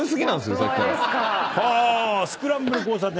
はぁスクランブル交差点。